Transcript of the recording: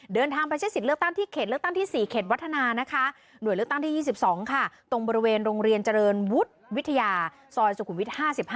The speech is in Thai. เดินทางมาใช้สิทธิ์เลือกตั้งที่๔วัตถนะตรงบริเวณโรงเรียนเจริญวุฒิวิทยาซอยสุขุมวิท๕๕